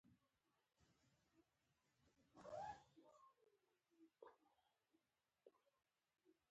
که دیوال په یوه برخه کې څیري شي غشا ترې راوځي.